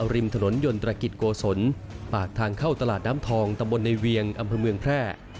ริมถนนยนตรกิจโกศลปากทางเข้าตลาดน้ำทองตำบลในเวียงอำเภอเมืองแพร่